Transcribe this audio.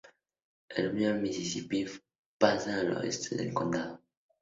El río Misisipi pasa al oeste del condado.